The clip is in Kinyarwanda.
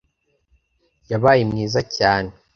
Yabaye mwiza cyane.